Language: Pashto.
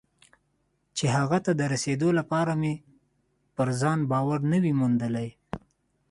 چې هغه ته د رسېدو لپاره مې پر ځان باور نه وي موندلی.